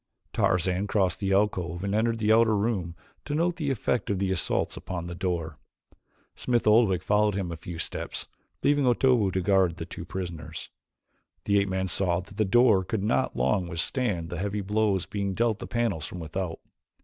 Tarzan crossed the alcove and entered the outer room to note the effect of the assaults upon the door. Smith Oldwick followed him a few steps, leaving Otobu to guard the two prisoners. The ape man saw that the door could not long withstand the heavy blows being dealt the panels from without.